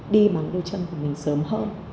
đi bằng đôi chân của mình sớm hơn